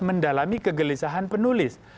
mendalami kegelisahan penulis